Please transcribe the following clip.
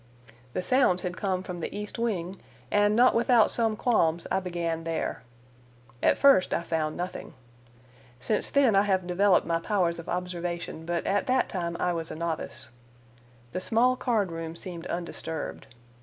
The sounds had come from the east wing, and not without some qualms I began there. At first I found nothing. Since then I have developed my powers of observation, but at that time I was a novice. The small card room seemed undisturbed.